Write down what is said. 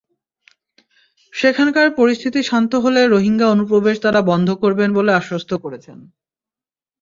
সেখানকার পরিস্থিতি শান্ত হলে রোহিঙ্গা অনুপ্রবেশ তাঁরা বন্ধ করবেন বলে আশ্বস্ত করেছেন।